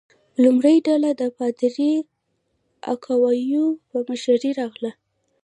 لومړۍ ډله د پادري اکواویوا په مشرۍ راغله.